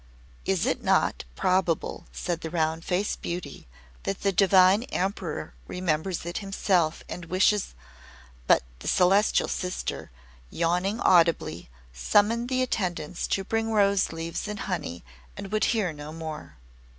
"Is it not probable," said the Round Faced Beauty, "that the Divine Emperor remembers it himself and wishes " But the Celestial Sister, yawning audibly, summoned the attendants to bring rose leaves in honey, and would hear no more.